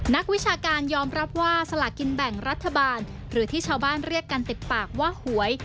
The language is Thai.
นักวิชาการยอมรับว่าสลากินแบ่งรัฐบาลหรือที่ชาวบ้านเรียกกันติดปากว่าหวย